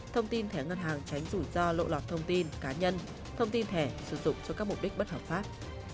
thông tin thẻ ngân hàng tránh rủi ro lộ lọt thông tin cá nhân thông tin thẻ sử dụng cho các mục đích bất hợp pháp